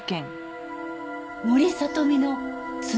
森聡美の爪？